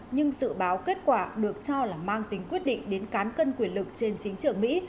nhưng dự báo kết quả được cho là mang tính quyết định đến cán cân quyền lực trên chính trường mỹ